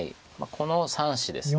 この３子です。